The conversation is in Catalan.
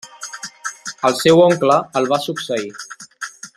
El seu oncle el va succeir.